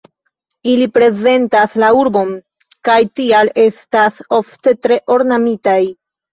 Ili reprezentas la urbon kaj tial estas ofte tre ornamitaj.